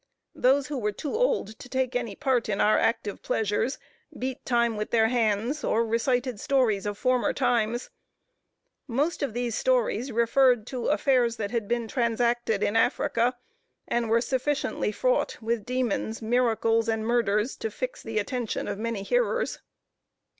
Those who were too old to take any part in our active pleasures, beat time with their hands, or recited stories of former times. Most of these stories referred to affairs that had been transacted in Africa, and were sufficiently fraught with demons, miracles, and murders, to fix the attention of many hearers.